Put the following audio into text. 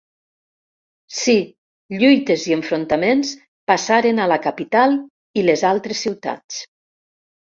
Si lluites i enfrontaments passaren a la capital i les altres ciutats.